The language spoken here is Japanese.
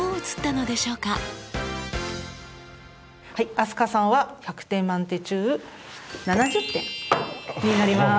飛鳥さんは１００点満点中７０点になります。